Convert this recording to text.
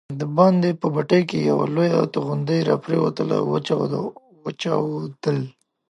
دباندې په بټۍ کې یوه لویه توغندۍ راپرېوتله او وچاودل.